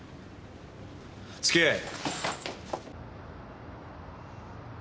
付き合え！